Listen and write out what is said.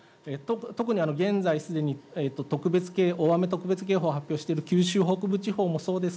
特に現在すでに大雨特別警報を発表している九州北部地方もそうで